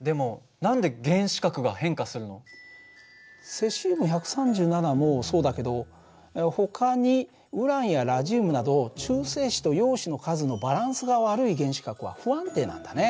セシウム１３７もそうだけどほかにウランやラジウムなど中性子と陽子の数のバランスが悪い原子核は不安定なんだね。